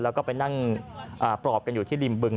แล้วก็ไปนั่งปลอบกันอยู่ที่ริมบึง